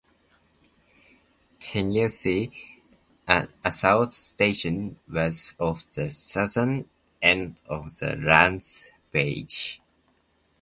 "Tennessee"s assault station was off the southern end of the landing beach.